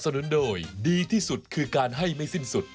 นุนโดยดีที่สุดคือการให้ไม่สิ้นสุด